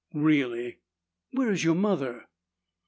"Really. Where is your mother?"